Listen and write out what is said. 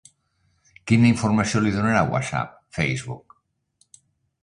Quina informació li donarà a WhatsApp, Facebook?